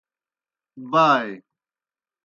بائے۔